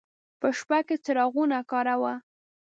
په شپه کې څراغونه کاروه.